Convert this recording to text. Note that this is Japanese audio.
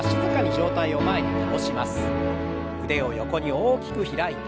腕を横に大きく開いて。